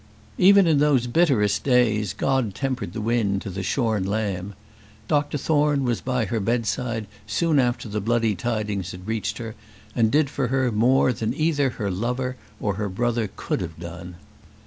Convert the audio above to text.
Even in those bitterest days God tempered the wind to the shorn lamb. Dr Thorne was by her bedside soon after the bloody tidings had reached her, and did for her more than either her lover or her brother could have done.